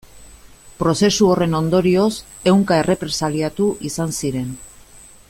Prozesu horren ondorioz, ehunka errepresaliatu izan ziren.